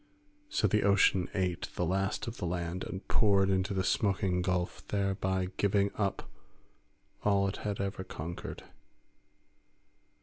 So the ocean ate the last of the land and poured into the smoking gulf, thereby giving up all it had ever conquered.